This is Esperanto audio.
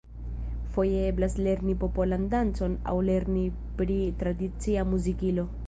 Foje eblas lerni popolan dancon aŭ lerni pri tradicia muzikilo.